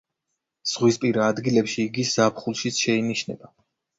ზღვისპირა ადგილებში იგი ზაფხულშიც შეინიშნება.